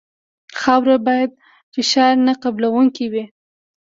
خاوره باید فشار نه قبلوونکې وي